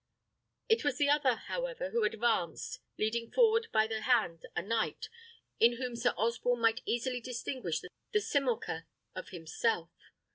It was the other, however, who advanced, leading forward by the hand a knight, in whom Sir Osborne might easily distinguish the simulacre of himself.